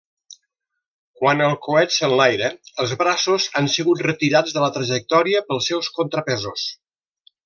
Quan el coet s'enlaira, els braços han sigut retirats de la trajectòria pels seus contrapesos.